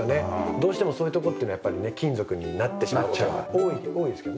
どうしてもそういうとこっていうのはやっぱりね金属になってしまう事が多いですけどね。